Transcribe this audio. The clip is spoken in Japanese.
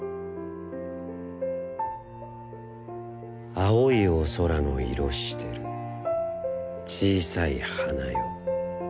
「青いお空の色してる、小さい花よ、よくおきき。